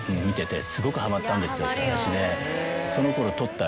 って話で。